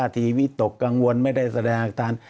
ทีวีตกกังวลไม่ได้แสดงอักทรรม